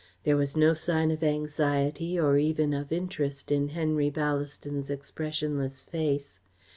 There was no sign of anxiety or even of interest in Henry Ballaston's expressionless face.